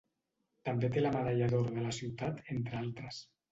També té la medalla d'or de la ciutat entre altres.